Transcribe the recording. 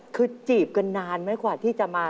คือจีบกันนานไหมกว่าที่จะมา